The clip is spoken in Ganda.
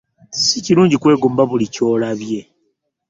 Sikirungi kwegomba buli ky'olabye.